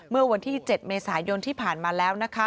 เมื่อวันที่๗เมษายนที่ผ่านมาแล้วนะคะ